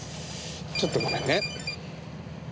ちょっとごめんね。